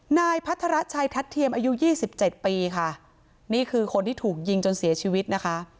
นายพัทรชัยทัศน์เทียมอายุยี่สิบเจ็ดปีค่ะนี่คือคนที่ถูกยิงจนเสียชีวิตนะคะ